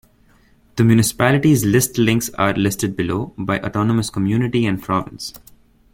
The municipalities list links are listed below, by autonomous community and province.